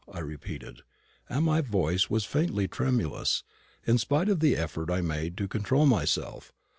I repeated; and my voice was faintly tremulous, in spite of the effort I made to control myself.